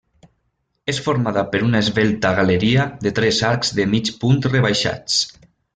És formada per una esvelta galeria de tres arcs de mig punt rebaixats.